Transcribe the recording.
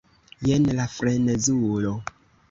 jen la frenezulo!